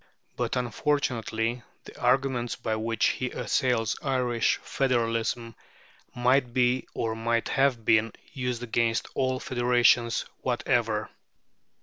But unfortunately the arguments by which he assails Irish federalism might be, or might have been, used against all federations whatever.